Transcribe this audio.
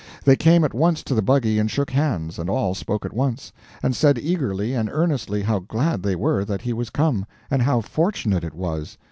They came at once to the buggy and shook hands, and all spoke at once, and said eagerly and earnestly, how glad they were that he was come, and how fortunate it was.